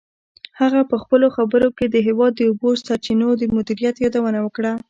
هغه په خپلو خبرو کې د هېواد د اوبو سرچینو د مدیریت یادونه وکړه.